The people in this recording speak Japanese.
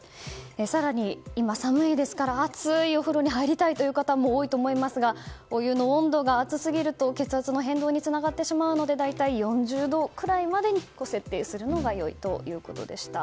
更に、今寒いですから熱いお風呂に入りたいという方も多いと思いますがお湯の温度が熱すぎると血圧の変動につながってしまうので大体４０度ぐらいに設定するのが良いということでした。